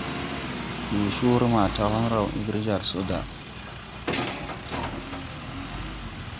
Yõõ coore ma taglaŋ raw egre jar so da.